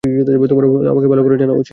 তোমারও আমাকে ভালো করে জানা উচিত।